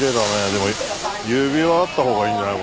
でも指輪はあったほうがいいんじゃない？